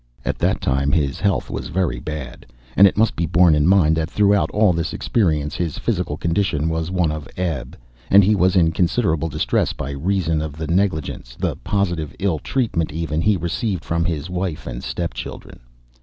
At that time his health was very bad and it must be borne in mind that, throughout all this experience, his physical condition was one of ebb and he was in considerable distress by reason of the negligence, the positive ill treatment even, he received from his wife and step children.